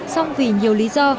song vì nhiều lý do